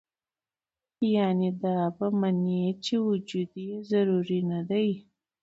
يعني دا به مني چې وجود ئې ضروري نۀ دے